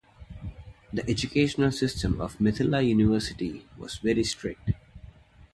The educational system of Mithila University was very strict.